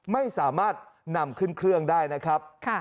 ไม่สามารถนำขึ้นเครื่องได้นะครับ